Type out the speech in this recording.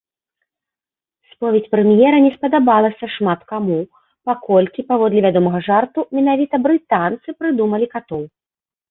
Споведзь прэм'ера не спадабалася шмат каму, паколькі, паводле вядомага жарту, менавіта брытанцы прыдумалі катоў.